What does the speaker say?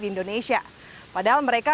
di indonesia padahal mereka